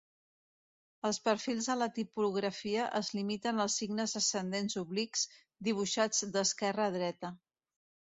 Els perfils a la tipografia es limiten als signes ascendents oblics dibuixats d'esquerra a dreta.